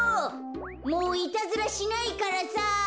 もういたずらしないからさ。